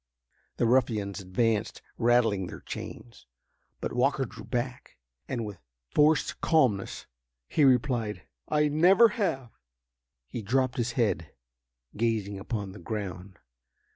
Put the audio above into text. The ruffians advanced, rattling their chains. But Walker drew back, and with forced calmness he replied: "I never have!" He dropped his head, gazing upon the ground.